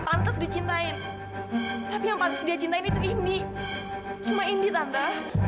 pantas dicintain tapi yang pantas dia cintain itu indy cuma indy tante